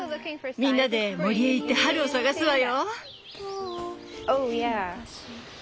みんなで森へ行って春を探すわよ。